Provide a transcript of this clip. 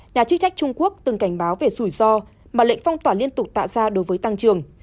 nhà chức trách trung quốc từng cảnh báo về rủi ro mà lệnh phong tỏa liên tục tạo ra đối với tăng trường